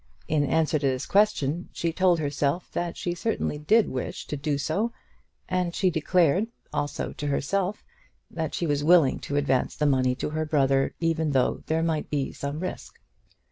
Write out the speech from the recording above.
In answer to this question she told herself that she certainly did wish to do so; and she declared, also to herself, that she was willing to advance the money to her brother, even though there might be some risk.